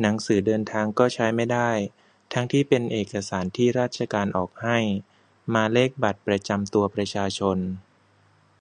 หนังสือเดินทางก็ใช้ไม่ได้ ทั้งที่ก็เป็นเอกสารที่ราชการออกให้ มาเลขประจำตัวประชาชน